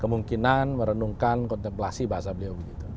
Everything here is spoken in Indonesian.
kemungkinan merenungkan kontemplasi bahasa beliau